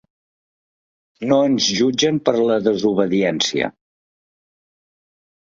No ens jutgen per la desobediència.